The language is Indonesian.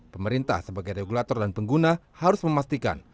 pemerintah sebagai regulator dan pengguna harus memastikan